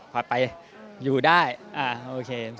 พอไปอยู่ได้โอเค